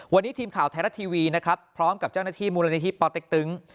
วันนี้ทีมข่าวไทรทัศน์ทีวีพร้อมกับเจ้าหน้าที่มูลนาธิปอตเต็กตึง